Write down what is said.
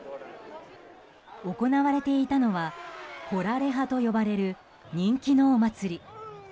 行われていたのはコラレハと呼ばれる人気のお祭り。